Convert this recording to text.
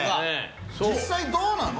実際どうなの？